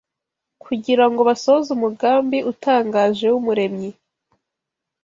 kugira ngo basohoze umugambi utangaje w’Umuremyi.